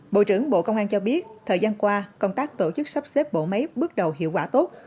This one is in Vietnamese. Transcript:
bộ trưởng bộ công an cho biết thời gian qua công tác tổ chức sắp xếp bộ máy bước đầu hiệu quả tốt